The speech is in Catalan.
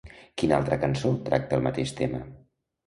Quina altra cançó tracta el mateix tema?